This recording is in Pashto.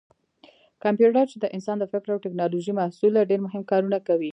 کمپیوټر چې د انسان د فکر او ټېکنالوجۍ محصول دی ډېر مهم کارونه کوي.